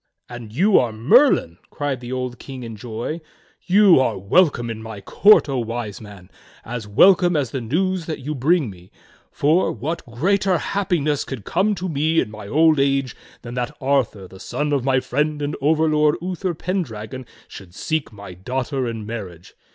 "And you are Merlin!" cried the old King in joy. "You are welcome at my court, O Wise Man, as welcome as the news that you bring me; for, what greater happiness could come to me in my old age than that Arthur, the son of my friend and overlord Uther Pen dragon, should seek my daughter in marriage.